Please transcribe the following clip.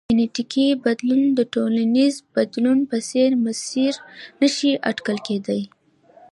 جنیټیکي بدلون د ټولنیز بدلون په څېر مسیر نه شي اټکل کېدای.